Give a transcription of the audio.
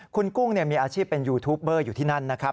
คุณกุ้งมีอาชีพเป็นยูทูปเบอร์อยู่ที่นั่นนะครับ